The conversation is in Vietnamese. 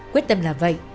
quyết tâm là vậy